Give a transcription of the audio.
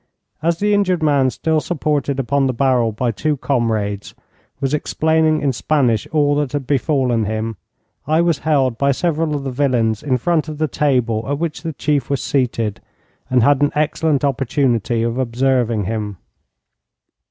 As the injured man still supported upon the barrel by two comrades, was explaining in Spanish all that had befallen him, I was held by several of the villains in front of the table at which the chief was seated, and had an excellent opportunity of observing him.